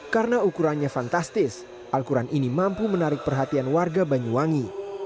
karena ukurannya fantastis al quran ini mampu menarik perhatian warga banyuwangi